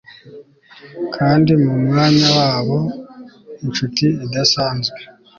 kandi mu mwanya wabo inshuti idasanzwe